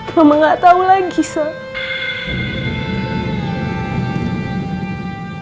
mama gak tau lagi sam